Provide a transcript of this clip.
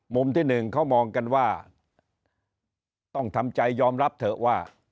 ที่หนึ่งเขามองกันว่าต้องทำใจยอมรับเถอะว่า